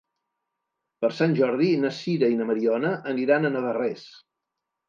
Per Sant Jordi na Sira i na Mariona aniran a Navarrés.